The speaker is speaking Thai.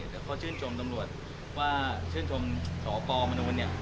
ก็เขาชื่นชมตำหรวดว่าชื่นชมสหปบมนุนเนี้ย